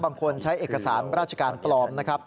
บางคนใช้เอกสารราชการปลอมนะครับ